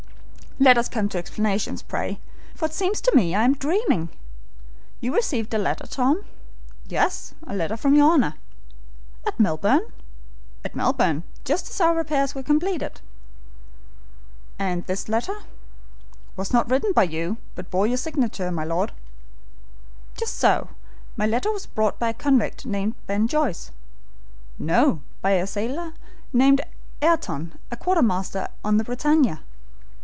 "Let us come to explanations, pray, for it seems to me I am dreaming. You received a letter, Tom?" "Yes, a letter from your Honor." "At Melbourne?" "At Melbourne, just as our repairs were completed." "And this letter?" "It was not written by you, but bore your signature, my Lord." "Just so; my letter was brought by a convict called Ben Joyce." "No, by a sailor called Ayrton, a quartermaster on the BRITANNIA."